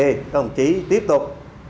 các ông chí tiếp tục